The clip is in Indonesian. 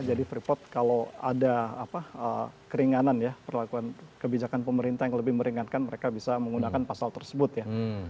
jadi freeport kalau ada keringanan ya perlakuan kebijakan pemerintah yang lebih meringankan mereka bisa menggunakan pasal tersebut ya